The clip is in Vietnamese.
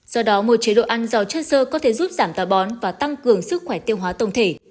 do đó một chế độ ăn dò chất sơ có thể giúp giảm tà bón và tăng cường sức khỏe tiêu hóa tổng thể